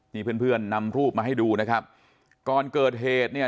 นี่เพื่อนเพื่อนนำรูปมาให้ดูนะครับก่อนเกิดเหตุเนี่ย